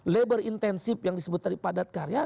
labor intensif yang disebut tadi padat karya